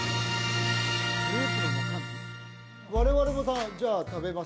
我々もじゃあ食べますよね